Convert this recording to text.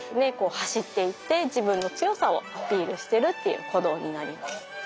走っていって自分の強さをアピールしてるっていう行動になります。